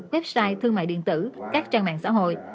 website thương mại điện tử các trang mạng xã hội